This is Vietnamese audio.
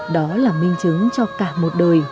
đó là minh chứng cho cả một đời